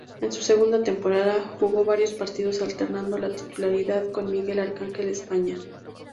En su segunda temporada jugó varios partidos, alternando la titularidad con Miguel Ángel España.